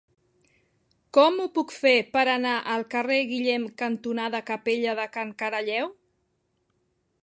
Com ho puc fer per anar al carrer Guillem cantonada Capella de Can Caralleu?